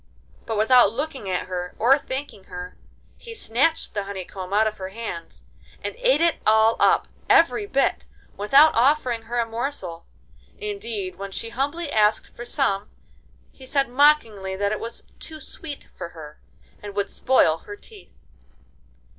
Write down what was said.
But without looking at her or thanking her he snatched the honey comb out of her hands and ate it all up—every bit, without offering her a morsel. Indeed, when she humbly asked for some he said mockingly that it was too sweet for her, and would spoil her teeth.